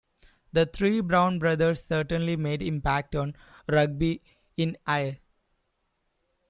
The three Brown brothers certainly made impact on rugby in Ayr.